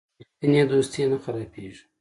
رښتینی دوستي نه خرابیږي.